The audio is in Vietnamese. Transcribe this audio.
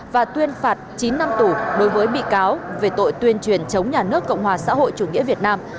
và tuyên phạt chín năm tù đối với bị cáo về tội tuyên truyền chống nhà nước cộng hòa xã hội chủ nghĩa việt nam